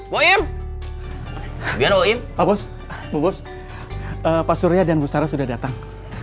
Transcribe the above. bos bos bos pasurnya dan busara sudah datang